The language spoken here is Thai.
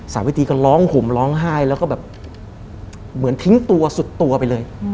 สาวิตรีก็ร้องห่มร้องไห้แล้วก็แบบเหมือนทิ้งตัวสุดตัวไปเลย